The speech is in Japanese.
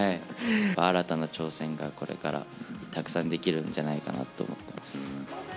新たな挑戦がこれからたくさんできるんじゃないかなと思ってます。